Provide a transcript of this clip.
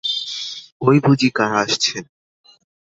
ঐ বুঝি কারা আসছেন।